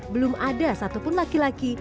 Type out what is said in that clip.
belum ada satupun laki laki